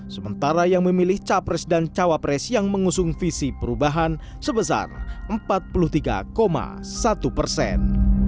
sementara yang memilih capres dan cawapres yang mengusung visi perubahan sebesar empat puluh tiga satu persen